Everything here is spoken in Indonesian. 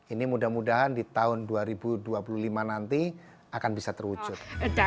ini mudah mudahan di tahun dua ribu dua puluh lima nanti akan bisa terwujud